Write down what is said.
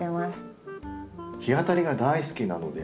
日当たりが大好きなので。